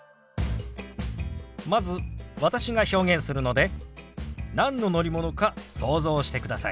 まず私が表現するので何の乗り物か想像してください。